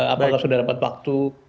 apakah sudah dapat waktu